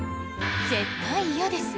絶対嫌です。